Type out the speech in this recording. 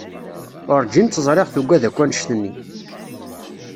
Urǧin tt-ẓriɣ tuggad akk anect-nni.